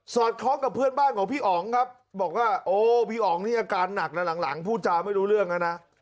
คล้องกับเพื่อนบ้านของพี่อ๋องครับบอกว่าโอ้พี่อ๋องนี่อาการหนักนะหลังพูดจาไม่รู้เรื่องแล้วนะ